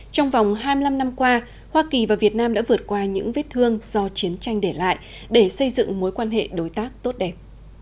trong vòng hai mươi năm năm qua hoa kỳ và việt nam đã vượt qua những vết thương do chiến tranh để lại để xây dựng mối quan hệ đối tác tốt đẹp